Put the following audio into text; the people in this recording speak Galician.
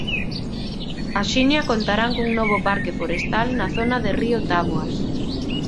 Axiña contarán cun novo parque forestal na zona de Río Táboas.